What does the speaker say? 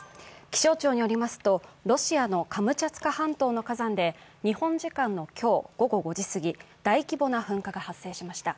気象庁によりますと、ロシアのカムチャツカ半島の火山で日本時間の今日、午後５時すぎ大規模な噴火が発生しました。